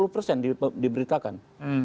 sembilan puluh persen diberitakan